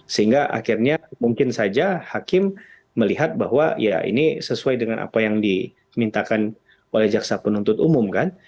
sehingga akhirnya mungkin saja hakim melihat bahwa ya ini sesuai dengan apa yang dimintakan oleh jaksa penuntut umum kan